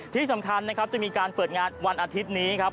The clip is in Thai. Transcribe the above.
ที่สำคัญนะครับจะมีการเปิดงานวันอาทิตย์นี้ครับ